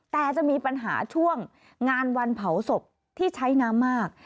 แต่จะมีปัญหาช่วงงานวันเผาศพที่ใช้น้ำมาก